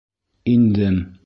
Индем.